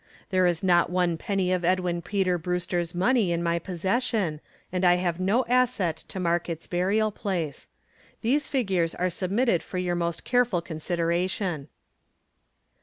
There is not one penny of Edwin Peter Brewster's money in my possession, and I have no asset to mark its burial place. These figures are submitted for your most careful consideration.